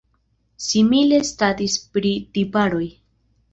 Simile statis pri tiparoj.